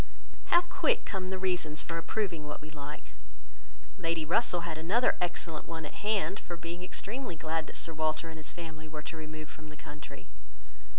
How quick come the reasons for approving what we like! Lady Russell had another excellent one at hand, for being extremely glad that Sir Walter and his family were to remove from the country.